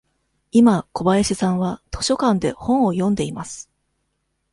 今、小林さんは図書館で本を読んでいます。